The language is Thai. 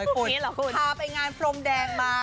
พาไปงานพรมแดงมา